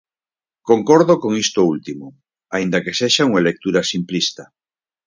Concordo con isto último, aínda que sexa unha lectura simplista.